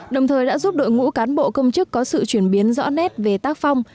đồng thời đã giúp đội ngũ cán bộ công chức có sự chuyển biến rõ nét về tác phong